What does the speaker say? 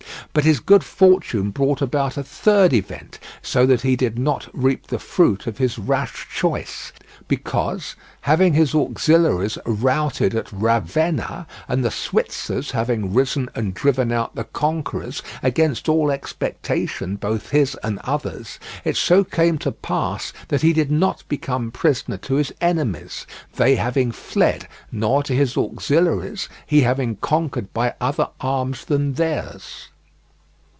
But his good fortune brought about a third event, so that he did not reap the fruit of his rash choice; because, having his auxiliaries routed at Ravenna, and the Switzers having risen and driven out the conquerors (against all expectation, both his and others), it so came to pass that he did not become prisoner to his enemies, they having fled, nor to his auxiliaries, he having conquered by other arms than theirs.